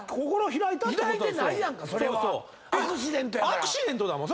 アクシデントだもん。